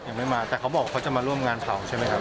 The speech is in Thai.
ยังไม่มาแต่เขาบอกเขาจะมาร่วมงานเผาใช่ไหมครับ